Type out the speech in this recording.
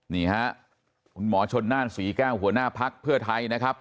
นี่ฮะคุณหมอชนน่านศรีแก้วหัวหน้าภักดิ์เพื่อไทยนะครับ